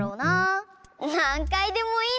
なんかいでもいいのに。